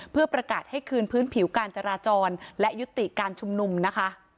เพื่อประกาศให้คืนพื้นผิวการจราจรและยุติการชุมนุมนะคะ